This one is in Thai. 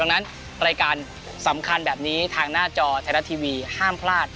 ดังนั้นรายการสำคัญแบบนี้ทางหน้าจอไทยรัฐทีวีห้ามพลาด